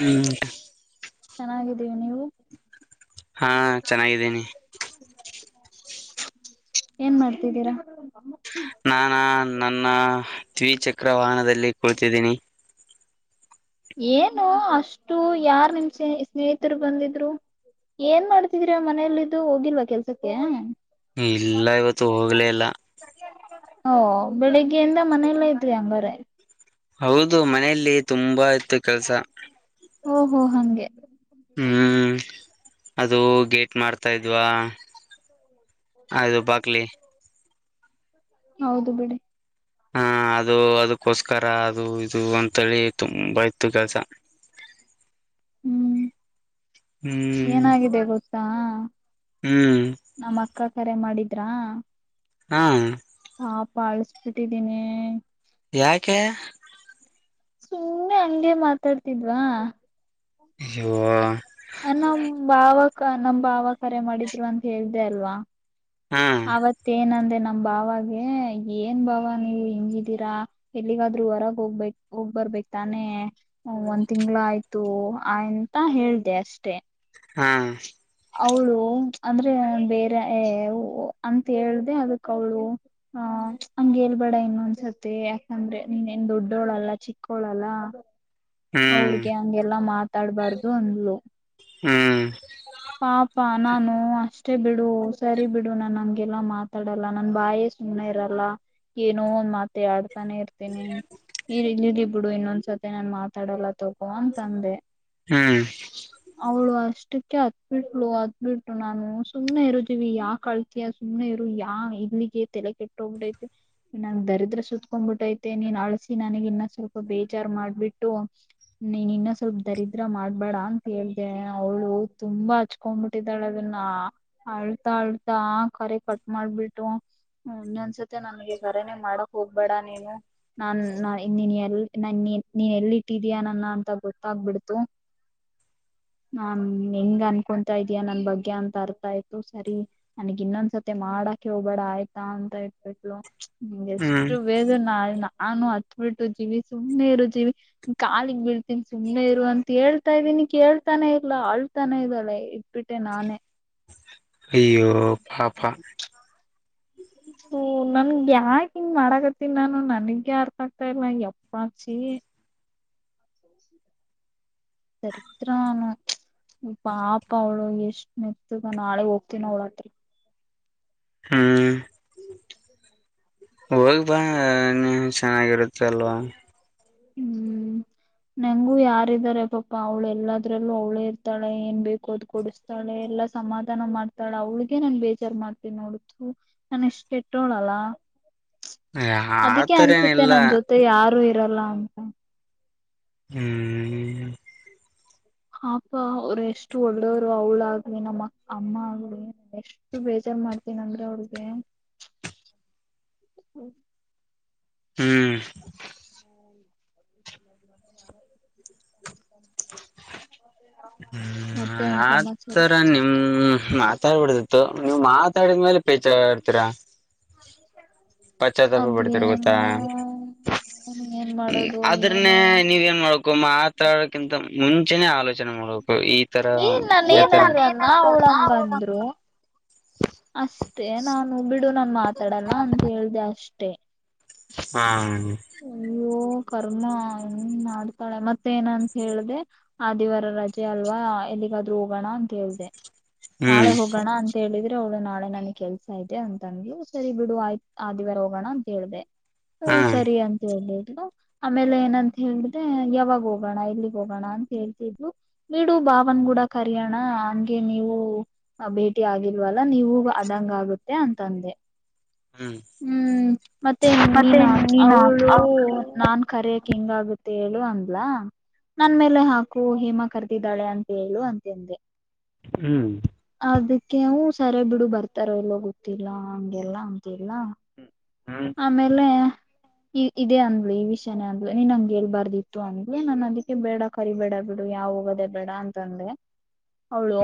ಹ್ಮ್ ದಿವಿ ನೀವು ಹಾ ಚೆನ್ನಾಗಿದ್ದೀನಿ ಏನ್ ಮಾಡ್ತಿದ್ದೀರಾ. ನಾನಾ ನನ್ನ ದ್ವಿಚಕ್ರ ವಾಹನದಲ್ಲಿ ಕುಳ್ತಿದ್ದೀನಿ. ಏನು ಅಷ್ಟು ಯಾರ್ ನಿಮ್ ಸ್ನೇಹಿತರು ಬಂದಿದ್ರು ಏನ್ ಮಾಡ್ತಿದ್ರ ಮನೇಲ್ಲಿದ್ದು ಹೋಗಿಲ್ವಾ ಕೆಲ್ಸಕ್ಕೆ. ಇಲ್ಲ ಇವತ್ತು ಹೋಗ್ಲೇ ಇಲ್ಲ. ಓ ಬೆಳಿಗ್ಗೆಯಿಂದ ಮನೆಯಲ್ಲ ಇದವಿ ಅಂಗರೆ. ಹೌದು ಮನೆಯಲ್ಲಿ ತುಂಬಾ ತ್ತ ಕೆಲಸ. ಓಹೋ ಹಂಗೆ. ಹ್ಮ್ ಅದು ಗೇಟ್ ಮಾಡ್ತಾ ಇದ್ವಾ. ಹೌದು ಬಾಕ್ಲಿ. ಹೌದು ಬಿಡಿ. ಹಾ ಅದು ಅದಕ್ಕೋಸ್ಕರ ಅದು ಇದು ಅಂತೇಳಿ ತುಂಬ ಇತತ್ತು ಕೆಲಸ. ಹ್ಮ್. ಹ್ಮ್ ಏನಾಗಿದೆ ಗೊತ್ತು. ಹ್ಮ್. ನಮ್ಮ ಅಕ್ಕ ಕರೆ ಮಾಡಿದ್ರಾ. ಹಾ. ಹಾಪ ಅಳಸ್ಬಿಟ್ಟಿದ್ದೀನಿ. ಯಾಕೆ. ಸುಮ್ಮನೆ ಹಂಗೆ ಮಾತಾಡ್ತಿದ್ವಾ. ಯೋ. ನಮ್ ಭಾವಕ ನಮ್ಮ ಬಾವ ಕರೆ ಮಾಡಿದ್ರು ಅಂತ ಹೇಳ್ದ ಅಲ್ವಾ. ಹಾ ಅವತ್ತ ಏನಂದೇ ನಮ್ಮ ಬಾವಾಗೆ ಏನ್ ಬಾವ ನೀವ್ ಹಿಂಗಿದ್ದೀರಾ ಎಲ್ಲಿಗಾದ್ರೂ ಹೊರಗ್ ಹೋಗ್ಬ ಹೋಗ್ಬರ್ಬೇಕಕ್ ತಾನೇ ಒಂದ್ ತಿಂಗಳ ಆಯ್ತು ಆ ಎಂತ ಹೇಳದೇ ಅಷ್ಟೆ. ಹಾ- [unintelligible] ಅವಳು ಅಂದ್ರೆ ಬೇರೆ ಏ ಓ ಅಂತ ಹೇಳ್ದೆ ಅದಕ್ ಅವಳು ಹ ಹಂಗೇಲ್ಬೇಡ ಇನ್ನು ಅಂದಸತಿ ಯಾಕಂದ್ರೆ ನೀನೇನ್ ದೊಡ್ಡೋಳಲ್ಲ ಚಿಕ್ಕೋಳಲ್ಲ. ಹ್ಮ್ ಅವರಿಗೆ ಹಂಗೆಲ್ಲಾ ಮಾತ ಮಾತಾಡ್ಬಾರ್ದು ಅಂದ್ಲು. ಹೂ [unintelligible] ಪಾಪಾ ನಾನು ಅಷ್ಟೇ ಬಿಡು ಸರಿ ಬಿಡು ನನ್ ಹಂಗೆಲ್ಲಾ ಮಾತಾಡಲ್ಲ ನನ್ ಬಾಯೇ ಸುಮ್ನೆ ಇರಲ್ಲ ಏನೋ ಒಂದ್ ಮಾತ ಆಡ್ತ ಮಾತಾಡ್ತಾ ಇರ್ತೀನಿ ಇವರ ಇನ್ನೂ ಗಿಫ್ಟ್ ಬಿಡು ಇನ್ನೊಂದ್ಸತೆ ನಾನ್ ಮಾತಾಡಲ್ಲ ತಗೋ ಅಂತ ಅಂದೆ. [inaudible] ಹಾ. [unintelligible] ಇಷ್ಟಕ್ಕೆ ಹತ್ತ ಬಿಟ್ಟಳು ಅತ್ತಬಿಟ್ಟು ನಾನು ಸುಮ್ನೆ ಇರು ದೀವಿ ಯಾಕ ಅಳ್ತಿಯ ಸುಮ್ನೆ ಇರು ಯಾ ಇಲ್ಲಿಗೆ ತಲೆ ಕೆಟ್ಟ ಹೋಗ್ಬಿಟ್ಟೈತೆ ನನ್ ದರಿದ್ರ ಸತ್ಕೊಬಿಟ್ಟೈತೆ ನೀನ್ ಅಳಿಸಿ ನನಗ್ ಇನ್ನ ಸ್ವಲ್ಪ ಬೇಜಾರ್ ಮಾಡ್ಬಿಟ್ಟು ನೀನ್ ಇನ್ನ ಸ್ವಲ್ಪ ದರಿದ್ರ ಮಾಡ್ಬೇಡ ಅಂತ ಹೇಳದೇ ಅವಳು ತುಂಬಾ ಹಚ್ಕೊಂಡ್ಬಿಟ್ಟಿದ್ದಾಳೆ ಅದನ್ನ ಅಳ್ತಾ ಅಳ್ತಾ ಕರೆ ಕಟ್ ಮಾಡ್ಬಿಟ್ಟು ಇನ್ನೂದೊಂದ್ಸತ್ತ ನನಗೆ ಕರೆನೆ ಮಾಡಕ್ ಹೋಗ್ಬೇಡ ನೀನು ನಾನ್ ನೀನ್ ಎಲ್ ನ ನೀನ್ ಎಲ್ಲಿ ಇಟ್ಟಿದೀಯ ನನ್ನ ಅಂತ ಗೊತ್ತಾಗಬಿಡ್ತು ನಾ [inaudible] [inaudible] ನಿಂಗ್ ಅನ್ಕೊತಾ ಇದಯಾ ನನ್ ಬಗ್ಗೆ ಅಂತ ಅರ್ಥ ಆಯ್ತು ಸರಿ ನನಗೆ ಇನ್ನೊಂದ್ಸತಿ ಮಾಡಕ ಹೋಗಬೇಡ ಆಯ್ತಾ ಅಂತ ಇಟ್ಬಿತ್ಳು. ಹ್ಮ್ ಎಷ್ಟು ಬೇಗ ನಾಳೆ ನಾ ನಾನು ಅತ್ತ ಬಿಟ್ಟು ಜೀವಿ ಸುಮ್ಮನೆ ಇರು ಜೀವಿ ಕಾಲಿಗ್ ಬೀಳ್ತ ಸುಮ್ಮನೆ ಇರುವರು ಅಂತ ಹೇಳಿ [inaudible] ಅಳ್ತಾ ಇದೀನಿ ಕೇಳ್ತಾನೇ ಇಲ್ಲ ಅಳ್ ಅಳ್ತಾನೆ ಇದ್ದಾಳೆ ಇಟ್ಬಿಟ್ಟೆ ನಾನೇ ಅಯ್ಯೋ ಪಾಪ ಓ ನನಗೆ ಯಾಕ ಹಿಂಗ ಮಾಡಕತ್ತನಿ ನಾನು ನನಗೆ ಅರ್ಥ ಆಗ್ತಾ ಇಲ್ಲ ಎಪ್ಪಾಚಿ. ದರಿದ್ರ ನಾನ ಪಾಪ ಅವಳು ಎಷ್ಟ ಮೆತ್ತಗ ನಾಳೆಗ ಹೋಗ್ತೀನ ಅವಳಹತ್ರರ ಹು ಹೋಗ್ಬಾ ನೀ ಚೆನ್ನಾಗಿರುತ್ತೆ ಅಲ್ವಾ, ಹು ನಂಗೂ ಯಾರಿದಾರೆ ಪಾಪಾ ಅವಳೇ ಎಲ್ಲಾದ್ರಲ್ಲೂ ಅವಳೇ ಇರ್ತಾಳೆ ಏನ್ ಬೇಕು ಅದ ಕೊಡಿಸತಾಳೆ ಎಲ್ಲಾ ಸಮಾಧಾನ ಮಾಡ್ತಾಳೆ ಅವಳಗೆ ನಾ ಬೇಜಾರ್ ಮಾಡ್ತೀನಿ ನೋಡ ತು ನನ್ ಇಷ್ಟ ಕೆಟ್ಟೋಳಲ್ಲ,, ಅದಕ್ಕೆ ಆತರ ಅನ್ಸುತ್ತೆ ಏನಿಲ್ಲ ನನ್ ಜೊತೆ ಯಾರು ಇ ಇರೋಲ್ಲ ಅಂತ, ಹು [unintelligible] ಪಾಪ ಅವ್ರ ಎಷ್ಟು ಒಳ್ಳೆಯವರು ಅವಳ ಆಗ್ಲಿ ನಮ್ಮ ಅಮ್ಮ ಆಗ್ಲಿ ಎಷ್ಟು ಬೇಜಾರು ಮಾಡ್ತೀನ ಅಂದ್ರ ಅವ್ರಿಗೆ ತು ಹು [unintelligible] [inaudible] ಮತ್ತೆ ಹ ಏನ್ ಸಮಾಚಾರ ಆತರ ನಿಮ್ ಮಾತಾಡಬಾರದರಿ ತು ನೀವ್ ಮಾತಾಡಿದ್ಮೇಲೆ ಬೇಜಾರಾಯಿತರಿ, [unintelligible] ಪಶ್ಚಾತ್ಪ ಆಗ್ಲಿ ಪಡ್ತಿರ್ ಗೊತ್ತಾ ಏನೋ ಏನ್ ಮಾಡೋದು ಅದ್ರನ್ನೇ ಏನು ನೀವ್ ಏನ್ ಮಾಡಬೇಕು. ಕು ಮಾತಾಡೋಕಿಂತ ಮುಂಚೆ ಆಲೋಚನೆ ಮಾಡಬೇಕು. ನೀನ್ ನಾನ ಏನಾದ್ರು ಅಂದನಾ ಅವಳಂಗಂದ್ರು ಅಷ್ಟೇ ನಾನು ಬಿಡು. ನಾನ್ ಮಾತಾಡಲ್ಲ ಅಂತ ಹೇಳದೇ ಅಷ್ಟೇ, ತೆ ಹಾ ಹ್ಮ ಕರ್ಮ ಮಾಡ್ತಾಳೆ ಮತ್ತೇಏನಂತ ಹೇಳ್ದೆ ಆದಿವಾರ ರಜೆ ಅಲ್ವಾ ಎಲ್ಲಿಗಾದ್ರೂ ಹೋಗೋಣ ಅಂತ ಹೇಳ್ದ ನಾಳೆ ಹ್ಮ್ ಹೋಗೋಣ ಅಂತ ಹೇಳಿದ್ರೆ ಅವ್ಳ ನಾಳೆ ನನ್ಗ್ ಕೆಲ್ಸ ಇದೆ ಅಂತಂದ್ ಸರಿ ಬಿಡು ಆಯ್ತ ಆದ ದಿವಾರ ಹೋಗೋಣ ಅಂತ ಹೇಳ್ದ ಹ್ಮ ಹಾ ಅಂತ ಹೇಳಬಹುದು ಆಮೇಲೆ ಏನಂತ ಹೇಳ್ದೆ ಯಾವಾಗ ಹೋಗೋಣ ಇಲ್ಲಿಗ್ ಹೋಗೋಣ ಅಂತ ಹೇಳ್ತಿದ್ಲು ಬಿಡು ಬಾವನ್ಗೂಡ ಕರಿಯೋಣ ಹಂಗೆ ನೀವು ಭೇಟಿ ಆಗಿಲ್ವಲ್ಲ ನೀವು ಅದಂಗ ಆಗುತ್ತೆ ಅಂತಂದೆ ಹ್ಮ್ ಹ್ಮ್ ಮತ್ತೆ ನೀನಾ ಅವಳು ನಾನ್ ಕರೆಯಕ್ ಹೆಂಗಾಗುತ್ತೆ ಹೇಳು ಅಂದ್ಲ ನನ್ ಮೇಲೆ ಹಾಕು ಓ ಹೇಮ ಕರೆದಿದ್ದಾಳೆ ಅಂತ ಹೇಳು ಅಂತೆಂದೆ ಹ್ಮ್ ವು ಸರಿ ಬಿಡು ಬರ್ತಾರ ಇಲ್ಲೋ ಗೊತ್ತಿಲ್ಲ ಹಗೆಲ್ಲ ಅಂತಿಲ್ಲ ಹ್ಮ್ ಆಮೇಲೆ ಈ ಇದೇ ಅಂದ್ಲು ಈ ವಿಷಯಾನೇ ಅಂದ್ಲು ನೀನ್ ಹಂಗಗೆೇಳ್ಬಾರ್ದಿತ್ತು ಅಂದ್ಲಿ ನನ್ ಅದಕ್ಕೆ ಬೇಡ ಕರಿಬೇಡ ಬಿೇಡು ಯಾವ ಹೋಗೋದೇ ಬೇಡ ಅಂತ ಅಂದೆ ಅವಳು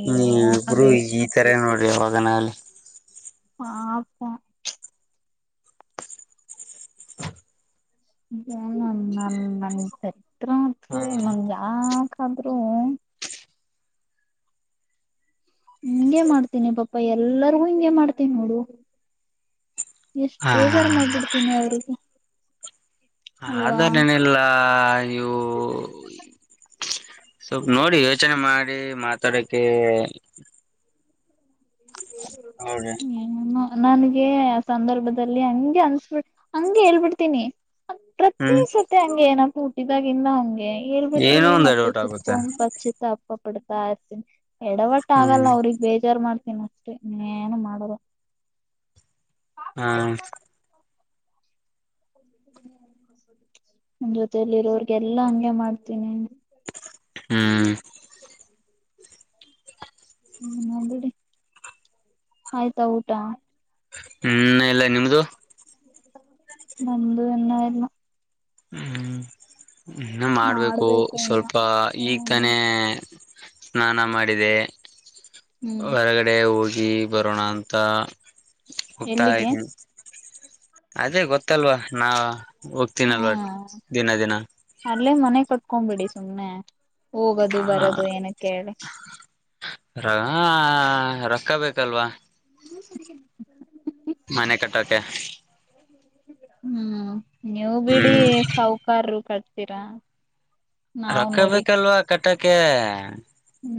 ಅಯ್ಯೋ ನೀವು ನನ್ ಇಬ್ರು ಎಷ್ಟ್ ಈ ತರ ನೋಡ್ರಿ ಅವಾಗ ನಾವಲ್ಲಿ ಹ ಆಪ ನನ್ ಸರಿ ಹ್ಮ್ ನ ಯಾ [unintelligible] [inaudible] ಆದ್ರೂ ಹಿಂಗೆ ಮಾಡ್ತೀನಿ ಪಾಪಾ ಎಲ್ಲರಿಗೂ ಹಿಂಗೆ ಮಾಡ್ತೀನಿ ನೋಡು ಎಷ್ಟ್ ಹಾ ಬೇಜಾರು ಮಾಡ್ಬಿಡ್ತೀನಿ ಅವ್ರರಿಗೆ ಆದಾರ್ ಏನಲ್ಲಾ ಇವು ಸ್ವಲ್ ನೋಡಿ ಯೋಚನೆ ಮಾಡಿ ನಡಿ ಮಾತಾಡಕ್ಕೆ ಹೌದ ಏ ನಿನ್ನ ನನ್ಗೆ ಆ ಸಂದರ್ಭದಲ್ಲಿ ಹಂಗೆ ಅನ್ಸ್ಬಿಡ್ ಹಂಗೆ ಹೇಳ್ಬಿಡ್ತೀನಿ ಪ್ರತಿ ಹ್ಮ್ ಸತ್ತ ಹಂಗೇನ ಹೂಟಿದಾಗಿಂದ ಹಂಗೆ ಏಳ್ ಏನೋ ಬಿಳ್ತೀನಿ ಒಂದ್ ಮತ್ತೆ ಅಡೌಟ್ ಆಗುತ್ತೆ ಕುೂತ್ಕೊಂಡು ಬಚತ್ತ ಪಪ್ಪಪಡ್ತ ಆಸನ್ ಎಡವಟ್ಟ ಹ್ಮ್ ಆಗಲ್ಲ ಅವ್ರಗ್ ಬೇಜಾರ ಮಾಡ್ತಾರೆ ಇನ್ನ್ ಅಷ್ಟೆ ಇನ್ನೇನು ಮಾಡರು ಹಾ ನನ್ ಜೊತೆಯಲ್ಲಿರೋರ್ಗೆಲ್ಲಾ ಹಂಗೆ ಮಾಡ್ತೀನಿ ಹ್ಮ್ ಹ್ಮ ಬಿಡಿ ಆಯ್ತಾ ಊಟ ಹ್ಮ್ ಇನ್ನ ಇಲ್ಲ ನಿಮ್ದು ನಂದು ಇನ್ನ ಇಲ್ಲ ಹ್ಮ್ ಹ್ಮ ಇನ್ನ ಮಾಡ್ಬೇಕು ಇನ್ನ ಸ್ವಲ್ಪ ಈಗ ಹ್ಮ ತಾನೇ ಸ್ನಾನ ಮಾಡಿದೆ ಹ್ಮ್ ಹೊರಗಡೆ ಹೋಗ್ ಗಿ ಬರೋಣ ಅಂತ ಹೋಗ್ತಾ ಎಲ್ಲಿಗೆ ಇದ್ದೀನಿ ಅದೇ ಗೊತ್ ತ್ತಲ್ವಾ ನಾ ಹಾ ಹೋಗ್ತೀನಲ್ವಾ ದಿನ ದಿನ ಕೊಂಡ್ಬಿಡಿ ಸುಮ್ನೆ ಹೋಗದು ಬರದು ಏನಕ್ಕೇಳಿ ರ ರೊಕ್ಕ ಬೇಕಲ್ವಾ [unintelligible] ಮನೆ ಕಟ್ಟೋಕೆ ಹ್ಮ್ ನೀವು ಬಿಡಿ ಹ್ಮ್ ಸಾಹುಕಾರರು ಕಟ್ ಸ್ತಿರ ರೊಕ್ಕಬೇಕಲ್ವಾ ಕಟ್ಟಕ್ಕೆ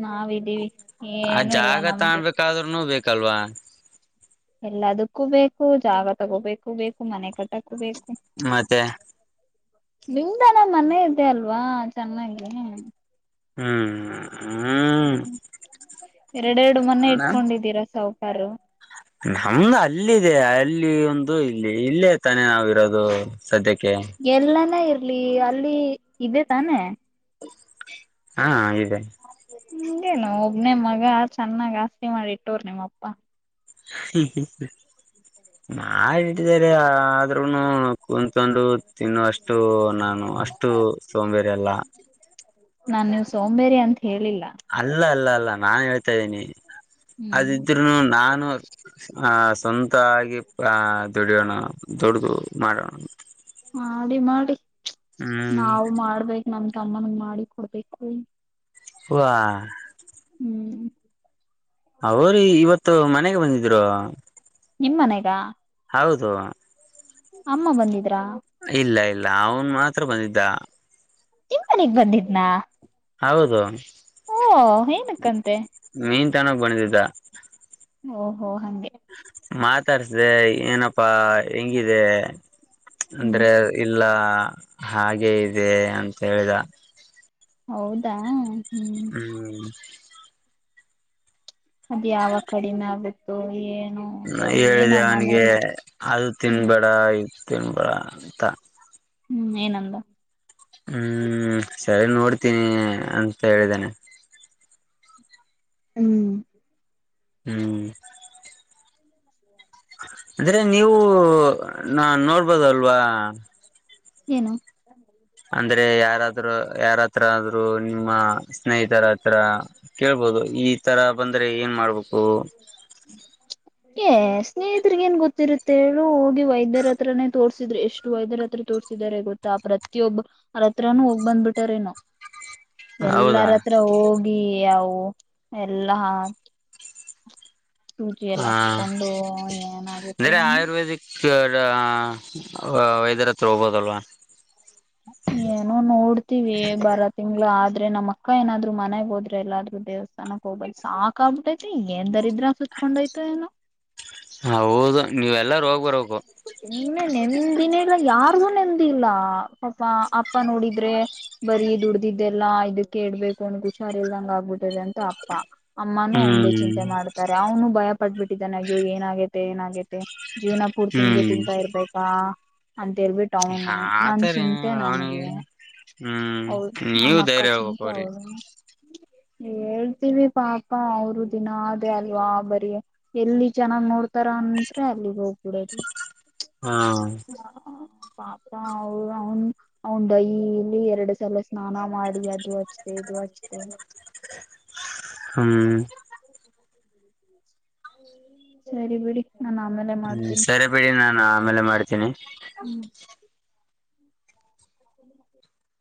ನಾವಿದ್ದೀವಿ ಆ ಏನು ಇಲ್ಲ ಜಾಗ ನಮ್ಗೆ ತಗೊಮ್ಬೇಕಾದ್ರೂನು ಬೇಕ್ ಕಲ್ವಾ ಎಲ್ಲದಕ್ಕೂ ಬೇಕು ಜಾಗ ತಗೋಬೇಕು ಬೇಕು ಮನೆ ಕಟ್ಟಕೂ ಬೇಕು ಮತ್ತೆ ನಿಮ್ದಾನ ಮನೆ ಇದೆ ಅಲ್ವಾ ಚೆನ್ನಾಗಿ ಹ್ಮ್ ಹ್ಮ್ ಎರಡೆರಡು ಮನೆ ಇಟ್ಕೊಂಡಿದ್ದೀರಾ ಸಾಹು ಕಾರರು ನಮ್ದು ಅಲ್ಲಿದೆ ಅಲ್ಲಿ ಒಂದು ಇಲ್ಲಿ ಇಲ್ಲೇ ತಾನೆ ನಾವಿರೋದು ಸದ್ಯಕ್ಕೆ ಎಲ್ಲಾನ ಇರ್ ಲಿ ಅಲ್ಲಿ ಇದೆ ತಾನೆ ಹಾ ಇದೆ ಇನ್ನೇನು ಒಬ್ನೇ ಮಗ ಚೆನ್ನಾಗ್ ಆಸ್ತಿ ಮಾಡಿ ಇಟ್ಟೋರ್ ನಿಮ್ಮಪ್ಪಾ ಮಾಡಿಟ್ಟಿದ್ದಾರೆ ಆದ್ರೂನು ಕುಂತ್ಕೊಂಡು ತಿನ್ನೋ ಅಷ್ಟು ನಾನ್ ನು ಅಷ್ಟು ಸೋಂಬೇರಿ ಅಲ್ಲ ನಾನ್ ನೀವ್ ಸೋಂಬೇರಿ ಅಂತ ಹೇಳಿಲ್ಲ ಅಲ್ಲ ಅಲ್ಲ ಅಲ್ಲ ನಾನ್ ಹೇಳ್ತಾ ಇದ್ದೀನಿ ಹ್ಮ್ ಆದಿದ್ರೂನು ನಾನು ಆ ಸ್ವಂತ ಆಗ ಆ ದುಡಿಯೋಣ ದುಡ್ದು ಮಾಡೋಣ ಮಾಡಿ ಮಾಡಿ ಹ್ಮ್ ನಾವು ಮಾಡ್ಬೇಕೇ ನಮ್ದ ತಮ್ಮನ ಮಾಡಿ ಕೊಡ್ಬೇಕು ವಾ ಹ [unintelligible] ಅವ್ರೀ ಇವತ್ತು ಮನೆ ಬಂದಿದ್ರು ಾ ಹೌದು ಅಮ್ಮ ಬಂದಿದೆ ಇಲ್ಲ ಇಲ್ಲ ಅವನ್ ಮಾತ್ರ ಬಂದಿದ್ದ ಇಂಪನಗ್ ಬಂದಿದ್ನಾ ಹೌದು ಓ ಏನಕ್ಕಂತೆ ಚನ ಬಂದಿದ್ದಿದ್ದ ಓ. [inaudible] ಓ ಹಂಗೆ? [inaudible] ತರ್ಸ್ದೆ, ಏನಪ್ಪಾ ಹೆಂಗಿದೆ? [inaudible] ಹ್ಮ್ ಅಂದ್ರೆ, ಇಲ್ಲ. [inaudible] ಎಲ್ಲ, ಹಾಗೆ ಇದೆ! ಅಂತ ಹೇಳಿದ.. [inaudible] ಹೌದಾ! [inaudible] ಹ್ಮ್ [inaudible] [unintelligible] ಅದ್, ಯಾವ ಕಡಿನ ಆಗು.. [inaudible] ತುಯೇನೂ! [inaudible] ಹ ಹೇಳಿದೆ ಅವನಿಗೆ ಅದು ಹ್ಮ್ ತಿನ್ಬೇಡ! [inaudible] ತಿನ್ರಾ, ಅಂತ! [inaudible] ಹ್ಮ್, ಏನಂದ! [inaudible] ಹ್ಮ್, ಸರಿ ನೋಡ್ತೀನಿ! ಅಂತ ಹೇಳಿದ್ದೇನೆ. [inaudible] ಹ್ಮ್ [inaudible] ಹ್ಮ್ [inaudible] [unintelligible] [inaudible] ಅಂದ್ರೆ! ನೀವು? ನಾ. [inaudible] ನೋಡ್ಬೋದುಲ್ವಾ? [inaudible] ಏನು? [inaudible] ಅಂದ್ರೆ, ಯಾರಾದ್ರೂ? ಯಾರತ್ರ ಆದ್ರು ನಿಮ್ಮ ಸ್ನೇಹಿತರ! ಅತ್ರ, ಕೇಳ್ಬೋದು! ಈ ತರ ಬಂದ್ರೆ ಏನ್ ಮಾಡ್ಬೇಕು? [inaudible] ಏ, ಸ್ನೇಹಿತರಿಗೆ ಏನ್ ಗೊತ್ತಿರುತ್ತೆೇಳು! ಹೋಗಿ ವೈದ್ಯರತ್ರನೇ! ತೋರ್ಸಿದ್ರು ಎಷ್ಟು ವೈದ್ಯರಾತ್ರರ.. [unintelligible] ತೋರ್ಸಿದಿದ್ದಾರೆ ಗೊತ್ತಾ. ಪ್ರತಿಯೊಬ್ಬ ಅರತ್ರನುೂ ಹೋಗೀ ಬಂದ್ಬಿಟಾರೇನೋ? [inaudible] ಹೌದಾ ಎಲ್ಲರತ್ರ, ಹೋಗಿ! [inaudible] ಯಾವುವೂ, ಎಲ್ಲಾ ಹಾಕಿ! [inaudible] ಸೂಜಿ, ಎಲ್ಲ ಹ ಹಾಕ್ಸ್ಕೊಂಡು! ಏನಾಗುತ್ತೋ ಏನೋ. [inaudible] ತರ ಬೇರೆ, ವೈದ್ಯರತ್ರ, ಹೋಗಬೋದಲ್ವಾ? [inaudible] ಏನೋ, ನೋಡ್ತೀವಿ ಬರ ತಿಂಗಳು, ಅದು.. [inaudible] ಅಂದ್ರೆ, ನಮ್ಮ ಅಕ್ಕ ಏನಾದ್ರು ಮನೆಗೆ ಹೋದ್ರೆ! ಎಲ್ಲಾದ್ರೂ ದೇವಸ್ಥಾನಕ್ ಹೋಗ್ಬೇಕು ಸಾಕಗ ಆಗ್ಬಿಟ್ಟೈತಿ. ಏನ್ ದರಿದ್ರ ಸುತ್ಕೊಂಡ್ ಆಯ್ತು ಏನೋ? [inaudible] ಹ, ಹೌದು ನೀವು? ಎಲ್ಲರು, ಹೋಗಿ ಬರಬೇಕು? [inaudible] ಸುಮ್ಮನೆ, ನೆಮ್ಮದಿ ಇಲ್ಲ! ಯಾರಿಗೂ ನೆಮ್ಮದಿ ಇಲ್ಲ. [inaudible] ಪಾಪ ಅಪ್ಪ ನೋಡಿದ್ರೆ ಬರೀ ದುಡ್ದಿದ್ದೆಲ್ಲಾ ಇದಕ್ಕೆೇಡ್ಬೇಕು ಅನ್ ಹುಷಾರಲ್ದಂಗೆ ಆಗುಬಿಟುಇದೆ. [inaudible] ಅಪ್ಪ, ಅಮ್ಮಾನೂ, ಒಂದೇ ಹ್ಮ್ ಚಿಂತೆ ಮಾಡ್ತಾರೆ! ಅವನು ಭಯ! [inaudible] ಪಟ ಬಿಟ್ಟಿದಾನೆ ಅಯೋ! ಏನಾಗೇತೆ ಏನಾಗೇತೆ? [inaudible] ಜೀವನಾ, ಪೂರ್ತಿ. [inaudible] ಇಂಗೆ, ಹ್ಮ್ ತಿಂತಾ ಇರ್ಬೇಕಾ? [inaudible] ಅಂತ ಹೇಳು ಬಿಟ್ಟು ಅವನು, ನಾನ್ ಆತರ ಚಿಂತೆ ನನಗೆ ಅವನಿಗೆ ಹ್ಮ್ ಹೌದು! ನಮ್ಮ ನೀವು ಅಕ್ಕ ಧೈರ್ಯ ಹೇಳ್ಬೇಕು ಚಿಂತೆ, ಅವ್ರಿಗೆ ಅವಳಿಗೆ? [inaudible] ಹೇಳ್ತೀವಿ ಪಾಪ ಅವರು ದಿನ ಅದೇ ಅಲ್ವಾ ಬರಿ ಎಲ್ಲಿ ಜನಾನ್ ನೋಡ್ತಾರ ಅಂತ್ರೆ ಅಲ್ಲಿಗ್ ಹೋಗ್ಬಿಡ ಹ ಹಾ ಪಾಪ ಅವ ಅವನ್ ಅವನ್ ಡೈಲಿ ಎರಡು ಸಲ ಸ್ನಾನ ಮಾಡಿ ಅದು ಹಚ್ಚಿದೆ ಇದು ಹಚ್ದೆ ಹ್ಮ್ ಸರಿ ಬಿಡಿ. ನಾನು ಆಮೇಲೆ ಹ್ಮ್ ಮಾಡ್ತೀನಿ. ಸರಿ ಬಿೇಡಿ ನಾನು ಆಮೇಲೆ ಮಾಡ್ತೀನಿ. ಹ್ಮ್ [inaudible]